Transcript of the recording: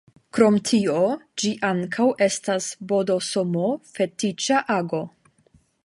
Krom tio ĝi ankaŭ estas bdsm-fetiĉa ago.